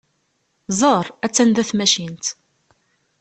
Ẓer! Attan da tmacint!